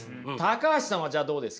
橋さんはじゃあどうですか？